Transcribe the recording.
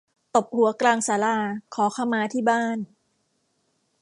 ตบหัวกลางศาลา ขอขมาที่บ้าน